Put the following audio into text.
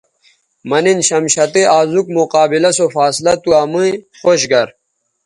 مہ نِن شمشتئ آزوک مقابلہ سو فاصلہ تو امئ خوش گر